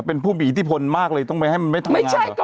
เป็นผู้มีอิทธิพลมากเลยต้องไม่ให้มันไม่ทำงานเหรอ